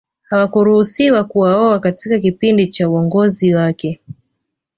Hawakuruhusiwa kuwaoa katika kipindi cha uongozi wake